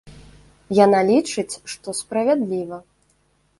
Яна лічыць, што справядліва.